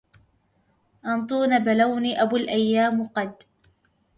أنطون بلوني أبو الأيتام قد